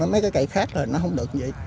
mấy cái cây khác là nó không được